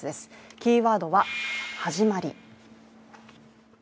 キーワードは「始まり」。